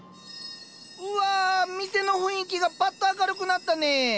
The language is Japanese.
うわ店の雰囲気がパッと明るくなったね。